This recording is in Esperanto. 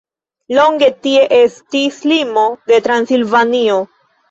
Longe tie estis limo de Transilvanio.